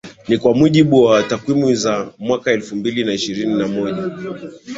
Ni kwa mujibu wa takwimu za mwaka elfu mbili na ishirini na moja